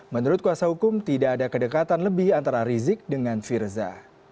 menurut kuasa hukum tidak ada kedekatan lebih antara rizik dengan firza